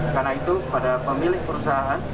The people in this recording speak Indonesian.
karena itu kepada pemilik perusahaan